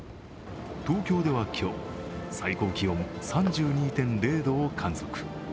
東京では今日、最高気温３２．０度を観測。